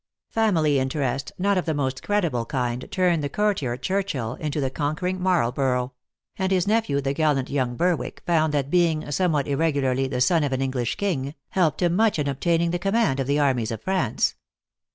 Family interest, not of the most creditable kind, turned the courtier Church ill into the conquering Marlborough ; and his nephew, the gallant young Berwick, found that being, some what irregularly, the son of an English king, helped him much in obtaining the command of the armies of France.